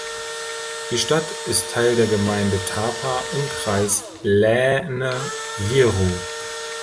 Die Stadt ist Teil der Gemeinde Tapa im Kreis Lääne-Viru.